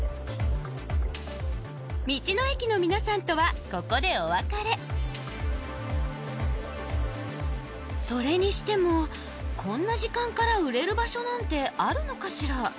道の駅のみなさんとはここでお別れそれにしてもこんな時間から売れる場所なんてあるのかしら？